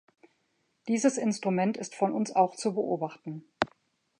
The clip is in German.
Dieses Instrument ist von uns auch zu beobachten.